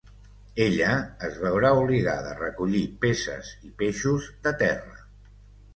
Ella es veurà obligada a recollir peces i peixos de terra.